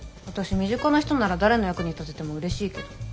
私身近な人なら誰の役に立てても嬉しいけど。